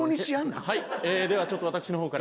ではちょっと私の方から。